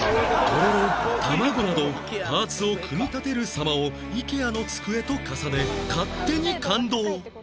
とろろ卵などパーツを組み立てる様を ＩＫＥＡ の机と重ね勝手に感動